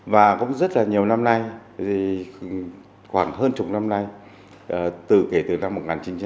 và cũng rất là nhiều năm nay khoảng hơn chục năm nay kể từ năm một nghìn chín trăm bảy mươi